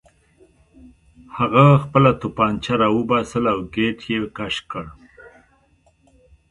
هغه خپله توپانچه راوباسله او ګېټ یې کش کړ